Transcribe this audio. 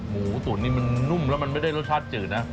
หมูตุ๋นนี่มันนุ่มแล้วมันไม่ได้รสชาติจืดนะ